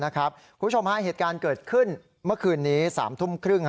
คุณผู้ชมฮะเหตุการณ์เกิดขึ้นเมื่อคืนนี้๓ทุ่มครึ่ง